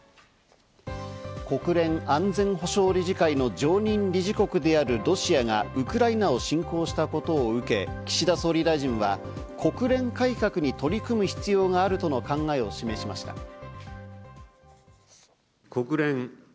国連安全保障理事会の常任理事国であるロシアがウクライナを侵攻したことを受け、岸田総理大臣は国連改革に取り組む必要があるとの考えを示しました。